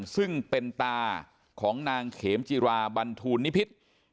ซึ่งเป็นตาของนางเขมจิราบันทูลนิพิษ